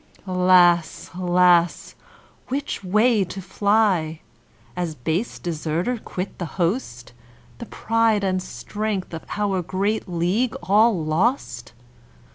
Alas! alas! which way to fly? As base deserter quit the host, The pride and strength of our great league all lost?